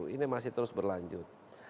ini masih terus berlanjut